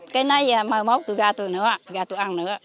cái này mai mốt tôi gà tôi nữa gà tôi ăn nữa